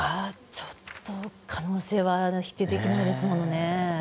ちょっと可能性は否定できないですものね。